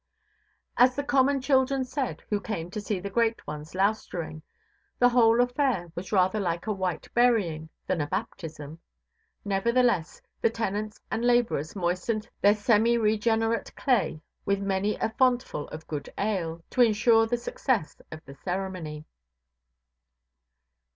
As the common children said, who came to see the great ones "loustering", the whole affair was rather like a white burying than a baptism. Nevertheless, the tenants and labourers moistened their semi–regenerate clay with many a fontful of good ale, to ensure the success of the ceremony.